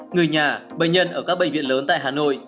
người nhà bệnh nhân ở các bệnh viện lớn tại hà nội